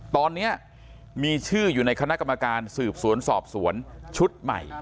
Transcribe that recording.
ตอนนี้มีชื่ออยู่ในคณะกรรมการสืบสวนสอบสวนชุดใหม่